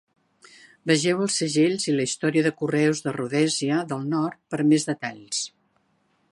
Vegeu els segells i la història de correus de Rhodèsia del Nord per més detalls.